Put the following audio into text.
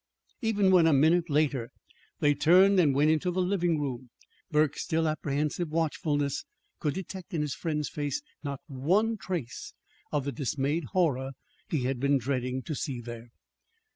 Even when, a minute later, they turned and went into the living room, Burke's still apprehensive watchfulness could detect in his friend's face not one trace of the dismayed horror he had been dreading to see there.